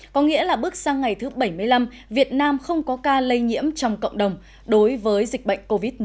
có nghĩa là bước sang ngày thứ bảy mươi năm việt nam không có ca lây nhiễm trong cộng đồng đối với dịch bệnh covid một mươi chín